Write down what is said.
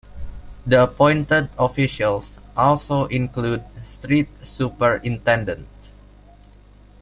The appointed officials also include Street Superintendent.